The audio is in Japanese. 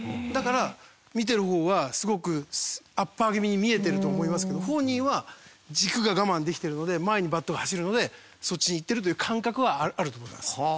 だから見てる方はすごくアッパー気味に見えてると思いますけど本人は軸が我慢できてるので前にバットが走るのでそっちに行ってるという感覚はあると思います。